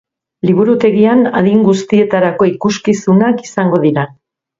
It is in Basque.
Liburutegian adin guztietarako ikuskizunak izango dira.